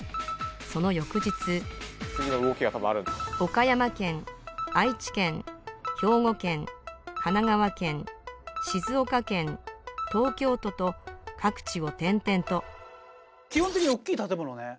その翌日岡山県愛知県兵庫県神奈川県静岡県東京都と各地を転々と基本的に大きい建物ね。